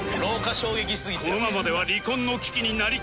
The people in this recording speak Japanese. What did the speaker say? このままでは離婚の危機になりかねない